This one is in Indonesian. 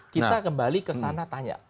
kita kembali kesana tanya